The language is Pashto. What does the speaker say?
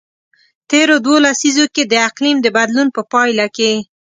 تیرو دوو لسیزو کې د اقلیم د بدلون په پایله کې.